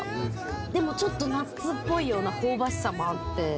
でもちょっとナッツっぽい香ばしさもあって。